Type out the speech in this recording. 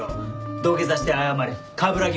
土下座して謝れ冠城亘。